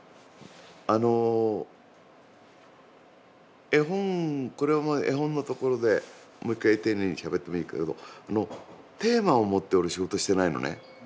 あの絵本絵本のところでもう一回丁寧にしゃべってもいいけどテーマを持って俺仕事してないのね。